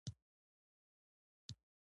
دا د کاتب غلطي ده.